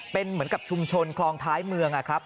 เป็นเหมือนกับชุมชนคลองท้ายเมืองนะครับ